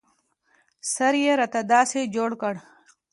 سر يې راته داسې جوړ کړ.